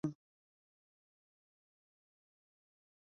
He missed seven games due to a fractured left forearm.